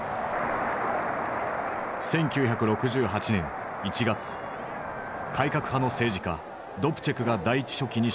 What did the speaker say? １９６８年１月改革派の政治家ドプチェクが第一書記に就任。